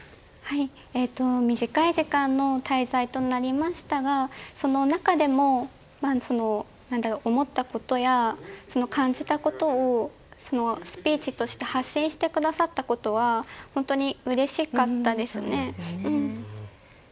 短い時間の滞在となりましたがその中でも、思ったことや感じたことをスピーチとして発信してくださったことは本当にうれしかったですね。